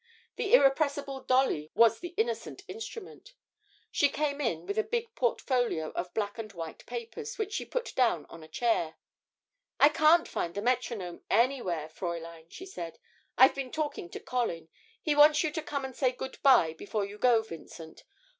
The irrepressible Dolly was the innocent instrument: she came in with a big portfolio of black and white papers, which she put down on a chair. 'I can't find the metronome anywhere, Fräulein,' she said. 'I've been talking to Colin: he wants you to come and say good bye before you go, Vincent.